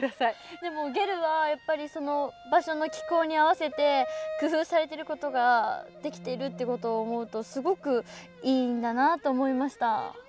でもゲルはやっぱりその場所の気候に合わせて工夫されていることができているっていうことを思うとすごくいいんだなあと思いました。